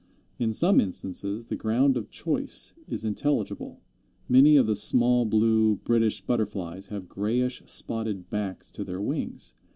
In some instances the ground of choice is intelligible. Many of the small blue British Butterflies have grayish spotted backs to their wings.